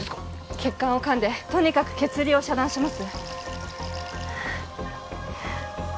血管をかんでとにかく血流を遮断します